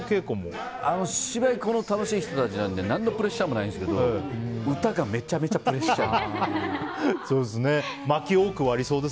芝居、この楽しい人たちなので何のプレッシャーもないですけど歌がめちゃめちゃプレッシャー。